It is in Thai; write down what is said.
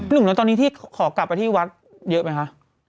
หนุ่มแล้วตอนนี้ที่ขอกลับไปที่วัดเยอะไหมคะ